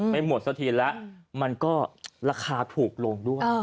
ไม่หมดสักทีแล้วมันก็ราคาถูกลงด้วย